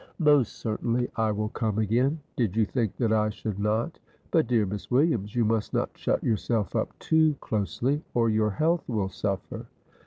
"Most certainly I will come again; did you think that I should not? but, dear Miss Williams, you must not shut yourself up too closely, or your health will suffer."